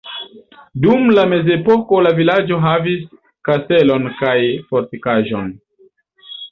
Dum la mezepoko la vilaĝo havis kastelon kaj fortikaĵon.